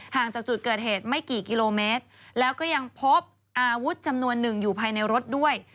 จากจุดเกิดเหตุไม่กี่กิโลเมตรแล้วก็ยังพบอาวุธจำนวนหนึ่งอยู่ภายในรถด้วย